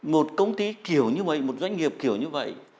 một công ty kiểu như vậy một doanh nghiệp kiểu như vậy